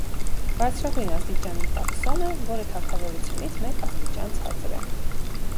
Բարձրագույն ստիճանի տաքսոն է, որը թագավորությունից մեկ աստիճան ցածր է։